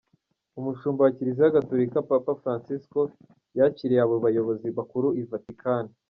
Umushumba wa Kiliziya Gatolika, Papa Fransisiko, yakiriwe abo bayobozi bakuru i Vatican.